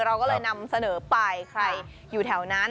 เราก็เลยนำเสนอไปใครอยู่แถวนั้น